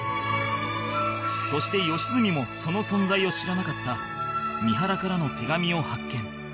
そして良純もその存在を知らなかった三原からの手紙を発見